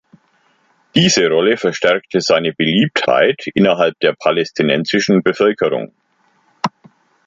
Diese Rolle verstärkte seine Beliebtheit innerhalb der palästinensischen Bevölkerung.